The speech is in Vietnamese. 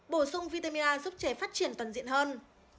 bổ sung vitamin a giúp trẻ phát triển toàn diện hơn